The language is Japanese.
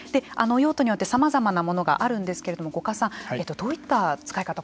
用途によってさまざまなものがあるんですけれども五箇さん、どういった使い方